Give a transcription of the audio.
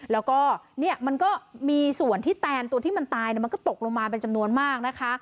แล้วก็เนี่ยมันก็มีส่วนที่แตนตัวที่มันตายมันก็ตกลงมาเป็นจำนวนมากนะคะ